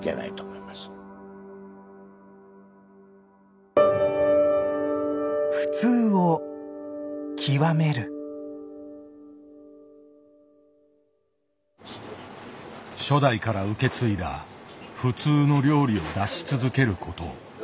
もうこの初代から受け継いだ「普通」の料理を出し続けること。